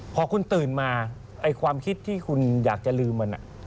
พอคุณตื่นมาความคิดที่คุณอยากจะลืมมัน